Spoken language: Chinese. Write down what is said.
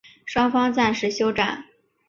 双方暂时休战。